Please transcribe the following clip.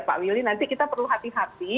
pak willy nanti kita perlu hati hati